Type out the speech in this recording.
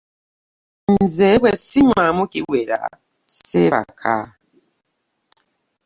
Nze bwe ssinywanu kiwera sseebaka.